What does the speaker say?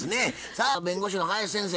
さあ弁護士の林先生